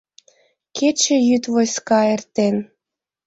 Кече-йӱд войска эртен.